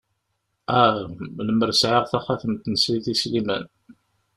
Ah...! A lammer sɛiɣ taxatemt n sidi Sliman!